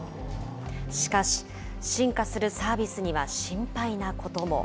しかし進化するサービスには心配なことも。